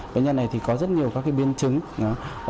bệnh nhân này có rất nhiều các biên chứng